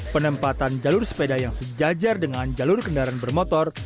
penempatan jalur sepeda yang sejajar dengan jalur kendaraan bermotor